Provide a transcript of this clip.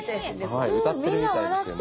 はい歌ってるみたいですよね。